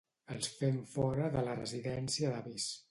Els fem fora de la residència d'avis.